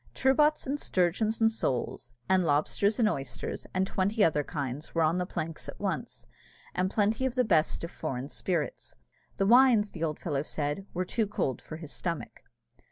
Turbots, and sturgeons, and soles, and lobsters, and oysters, and twenty other kinds, were on the planks at once, and plenty of the best of foreign spirits. The wines, the old fellow said, were too cold for his stomach.